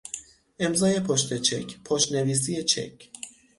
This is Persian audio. امضای پشت چک، پشت نویسی چک